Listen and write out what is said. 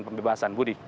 dan pembebasan budi